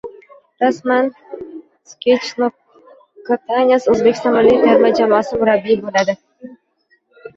Rasman: Srechko Katanes O‘zbekiston milliy terma jamoasi murabbiyi bo‘ladi